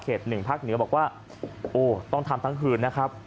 เขต๑พักเหนือบอกว่าต้องทำทั้งคืนนะครับ